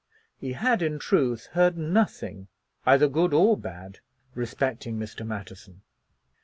He had in truth heard nothing either good or bad respecting Mr. Matterson.